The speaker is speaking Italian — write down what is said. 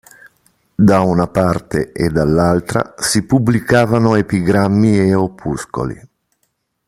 Da una parte e dall'altra si pubblicavano epigrammi e opuscoli.